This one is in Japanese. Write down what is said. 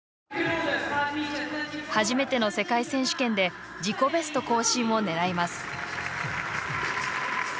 初めての世界選手権で自己ベスト更新を狙います。